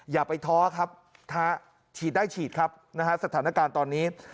อย่าไปท้อครับท้าฉีดได้ฉีดครับนะฮะสถานการณ์ตอนนี้